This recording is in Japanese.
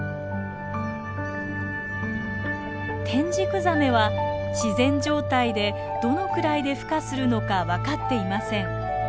テンジクザメは自然状態でどのくらいでふ化するのか分かっていません。